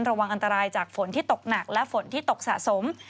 ระวังอันตรายจากฝนที่ตกหนักและฝนที่ตกสะสม